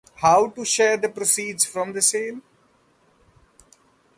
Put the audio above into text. How to share the proceeds from the sale?